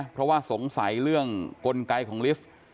เพราะว่าสงสัยเรื่องกลไกของลิฟต์